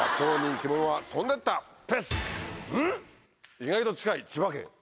意外と近い千葉県。